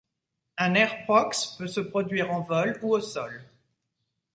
Un airprox peut se produire en vol ou au sol.